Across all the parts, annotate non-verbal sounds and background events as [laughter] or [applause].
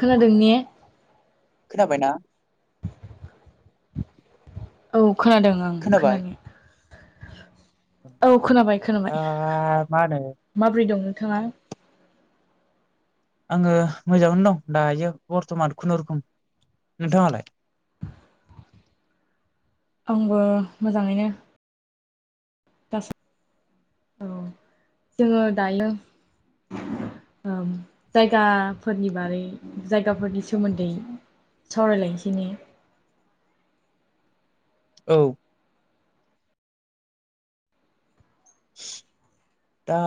खोनादों ने? खोनाबायना? औ खोनादों आंबो खोनाबाय खोनानाय औ खोनाबाय दा खोनाबाय मा होनो माब्रै दं नोंथाङा? आङो मोजाङैनो दं दायो बर्थमान खुनुरुखुम। नोंथाङालाय? आंबो मोजाङैनो [unintelligible] औ जोङो दायो ओ जायगाफोरनि बारै जायगाफोरनि सोमोन्दै सावरायलायनोसै ने? औ दा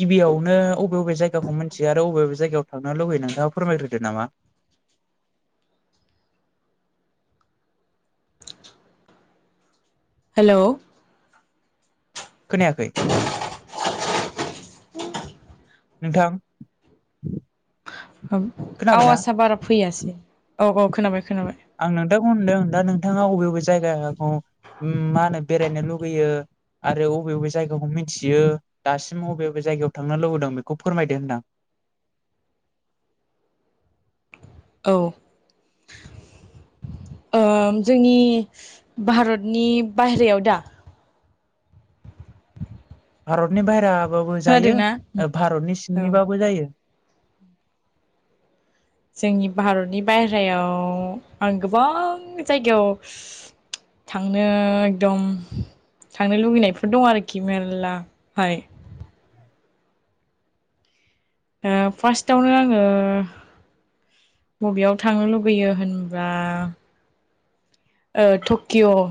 गिबियावनो बबे बबे जायगाखौ मिन्थियो आरो बबे बबे जायगायाव थांनो लुगैयो नोंथाङा फोरमायग्रोदो नामा? हेलौ खोनायाखै [unintelligible] ओ नोंथां औ खोनाबायना आवासआ बारा फैयासै औ औ खोनाबाय खोनाबाय। आं नोंथांखौ होनदों दा नोंथाङा अबे अबे जायगाहाखौ उम मा होनो बेरायनो लुुबैयो? आरो अबे अबे जायगाखौ मिन्थियो दासिम अबे अबे जायगायाव थांनो लुबैदों बेखौ फोरमायदो होनदां औ ओ जोंनि भारतनि बाहेरायाव दा भारतनि बाहेराबाबो जायो खोनादोंना ओ भारतनि औ सिंनिबाबो जायो। जोंनि भारतनि बाहेरायाव आं गोबां जायगायाव थांनो एकदम थांनो लुुबैनायफोर दं आरोखि मेरला फाय ओ फार्स्टावनो आङो बबेयाव थांनो लुगैयो होनब्ला ओ टकिय'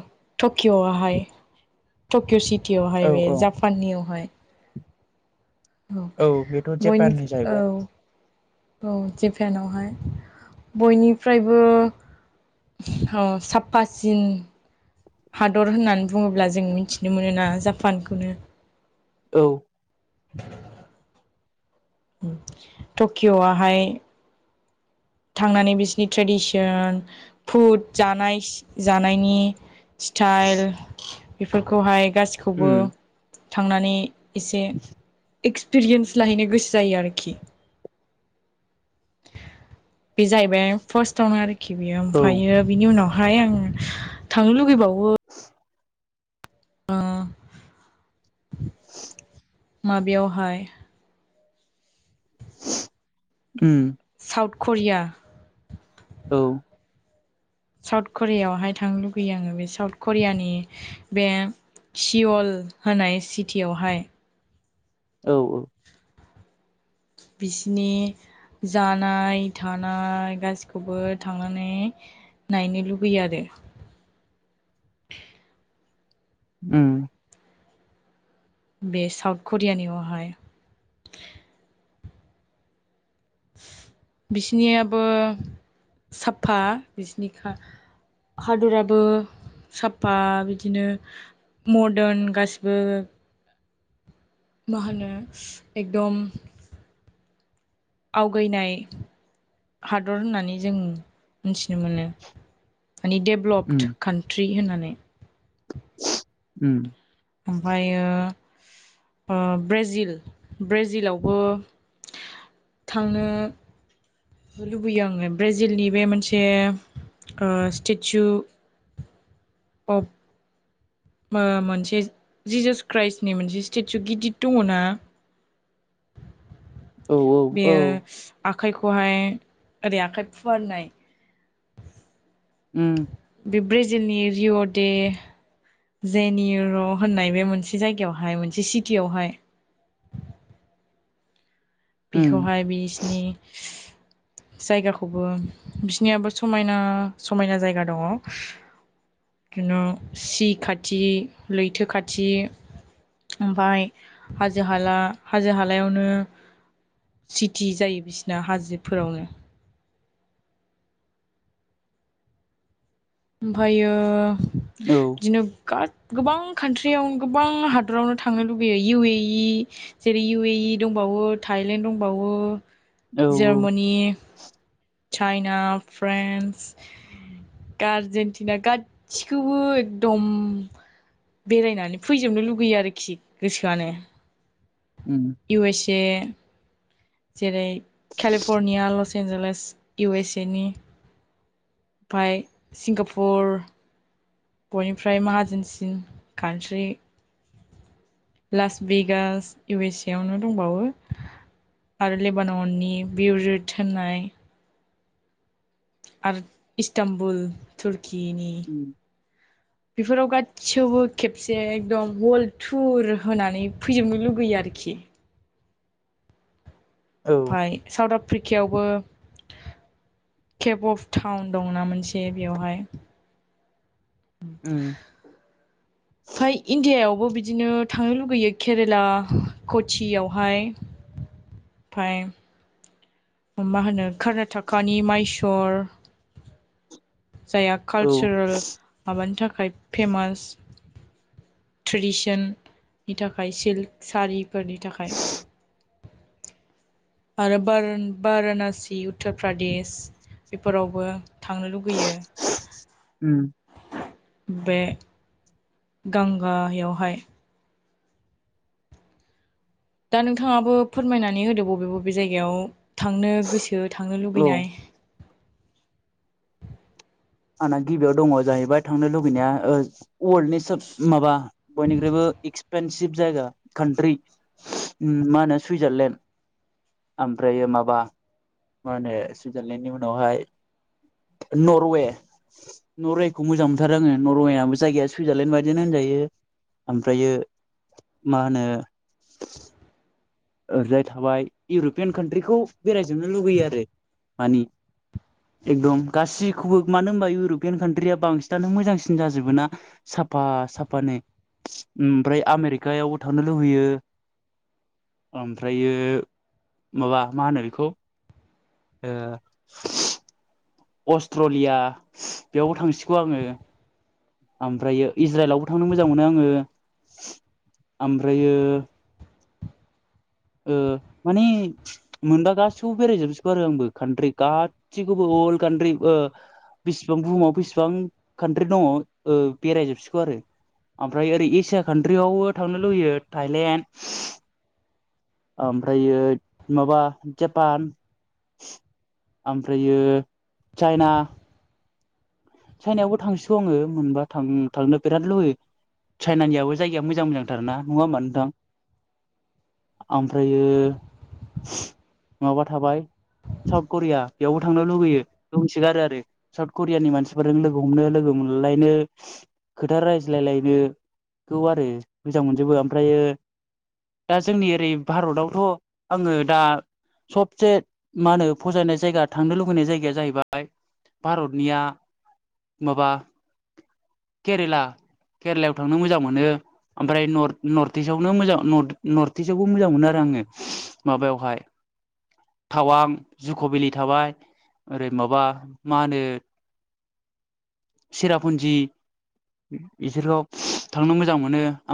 टकिय'आवहाय टकिय' सिटियावहाय औ बे औ जापानियावहाय औ बेथ' बयनि जेपाननि औ जाहैबाय औ जेपेनावहाय बयनिफ्रायबो ह साफासिन हादर होननानै बुङोब्ला जों मिथिनो मोनो ना जापानखौनो औ उम टकिय'आहाय थांनानै बिसोरनि ट्रेडिसन फुद जानायस जानायनि स्थाइल बेफोरखौहाय गासैखौबो उम थांनानै एसे एक्सपिरियेन्स लाहैनो गोसो जायो आरोखि बे जाहैबाय फार्स्टआवनो आरोखि बेयो औ ओमफ्रायो बिनि उनावहाय आं थांनो लुबैबावो। ओ माबेयावहाय उम साउथ खरिया औ साउथ करियावहाय थांनो लुुबैयो आङो बे साउथ करियानि बे सिअल होनाय सिटियावहाय औ ओ बिसिनि जानाय थानाय गासैखौबो थांनानै नायनो लुबैयो आरो उम बे साउथ करियानियावहाय बिसिनियाबो साफा बिसिनिखा हादराबो सापा बिदिनो मरदोन गासिबो मा होनो एकदम आवगायनाय हादर होननानै जों मिथिनो मोनो मानि देब उम भ्लप कान्ट्रि होननानै उम ओमफायो ओ ब्रेजिल ब्रेजिलावबो थांनो लुबैयो आङो ब्रेजिलनि बे मोनसे ओ स्टेचु अफ मोनसे जिजुस क्राइस्टनि मोनसे स्टेचु गिदद दङ ना औ औ बेयो आखाइखौहाय ओरै आखाइ फुवारनाय उम बे ब्राजिलनि रिय' दे जेनिर' होननाय बे मोनसे जायगायावहाय मोनसे सिटियावहाय उम बेखौहाय बिसिनि जायगाखौबो बिसनियाबो समायना समायना जायगा दङ बिननो सि खाथि लैथो खाथि ओमफाय हाजो हाला हाजो हालायावनो सिटि जायो बिसिना हाजोफोरावनो ओमफ्रायो औ बिदिनो गोबां कान्ट्रियावनो गोबां हादरावनो थांनो लुुबैयो इउ ए इ जेरै इउ ए इ दंबावो थाइलेण्ड दंबावो औ जार्मानि चाइना फ्रान्स गार्जेनटिना गासिखौबो एकदम बेरायनानै फैजोबनो लुगैयो आरोखि गोसोआनो उ इउ एस ए जेरै केलिफरनिया लस एनजेलेस इउ एस ए नि ओमफ्राय सिंगापुर बयनिफ्राय माहाजोनसिन खान्थि Las Vegas U S A आवनो दंबावो आरो लेबान'नि बिर ज थोननाय आरो इस्तानबुल थुरकिनि उम बेफोराव गाैयावबो खेबसे एकदम वर्ल्ड टुर होनानै फैजोबनो लुगैयो आरोखि औ ओमफाय साउथ आफ्रिकायावबो केप अफ टाउन दंना मोनसे बेवहाय उ [inaudible] ओमाय इण्डियायावबो बिदिनो थांनो लुुबैयो केरेला कचियावहाय फाइम मा होनो कर्नाटकानि माइसर जायहा औ कालसारेल माबानि थाखाय फेमास ट्रेडिसननि थाखाय सिल्क सारिफोरनि थाखाय आरो बारानसि उत्तर प्रदेश बेफोरावबो थांनो लुुबैयो उम बे गांगायावहाय दा नोंथाङाबो फोरमायनानै होदो बबे बबे जायगायाव थांनो गोसो थांनो औ लुबैनाय आंना गिबियाव दङ जाहैबाय थांनो लुबैनाया वर्ल्ड नि सोब माबा बयनिख्रुबो एक् एक्सपेनसिभ जायगा कान्ट्रि उम मा होनो सुइजारलेण्ड ओमफ्राय माबा मा होनो सुइजारलेण्डनि उनावहाय नरवे नरवेखौ मोजां मोनथारो आङो नरवेआबो जायगाया सुइजारलेण्ड बायदिनो होनजायो ओमफ्रायो मा होनो ओरैजाय थाबाय इउरपियान काान्ट्रिखौ बेरायजोबनो लुगैयो आरो मानि एकदम गासिखौबो मानो होनबा इउरपियान कान्ट्रिया बांसिनानो मोजांसिन जाजोबो ना साफा साफा नो ओमफ्राय आमेरिकायाव थांनो लुबैयो ओमफ्रायो माबा मा होनो बेखौ ओ अस्ट्रलिया बेयावबो थांसिगौ आङो। ओमफ्रायो इज्राइलावबो थांनो मोजां मोनो आङो ओमफ्रायो ओ मानि मोनबा गासिखौबो बेरायजोबसिगौ आरो आंबो कान्ट्रि गासिखौबो अल कान्ट्रि ओ बेसिबां बुहुमाव बेसेबां कान्ट्रि दङ ओ बेरायजोबसिगौ आरो। ओमफ्राय ओरै एसिया काान्ट्रियावबो थांनो लुुबैयो थाइलेण्ड। ओमफ्रयो माबा जापान। ओमफ्रायो चाइना। चाइनायावबो थांसिगौ आङो मोनबा थां थांनो बिराद लुुबैयो। चाइनानियाबो जायगाया मोजां मोजांथार ना नङा होनबा नोंथां? ओमफ्रायो माबा थाबाय साउथ करिया बेयावबो थांनो लुुबैयो दंसोगारो आरो साउथ करियानि मानसि जों लोगो हमनो लोगो मोनलायनो। खोथा रायज्लायलायनो खौ आरो मोजां मोनजोबो ओमफ्रायो दा जोंनि ओरै भारतआवथ' आङो दा सबसे मा होनो फजायनाय जायगा थांनो लुबैनाय जायगाया जाहैबाय भारतनिया माबा केरेला केरेलायाव थांनो मोजां मोनो। ओमफ्राय नर नर्थ इस्टआवनो मोजां नर्थ इस्टआवबो मोजां मोनो आरो आङो। माबायावहाय टावां जुक' भेलि थाबाय ओरै माबा मा होनो सिरापुन्जि बिसोरखौ थांनो मोजां मोनो।